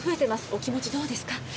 お気持ちどうですか？